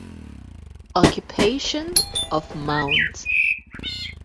Occupation of Mt.